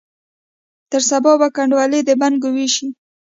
تر سبا به کنډولي د بنګو ویشي